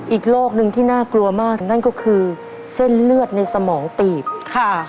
อีกโรคหนึ่งที่น่ากลัวมากนั่นก็คือเส้นเลือดในสมองตีบค่ะ